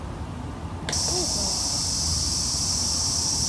Teffudeḍ.